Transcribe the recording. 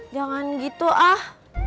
jangan gitu ah